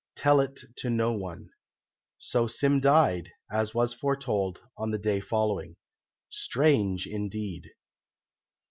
Tell it to no one." So Sim died, as was foretold, on the day following. Strange, indeed!